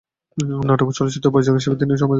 নাটক ও চলচ্চিত্র পরিচালক হিসাবেও তিনি সমাদৃত।